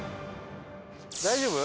大丈夫？